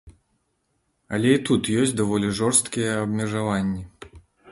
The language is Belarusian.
Але і тут ёсць даволі жорсткія абмежаванні.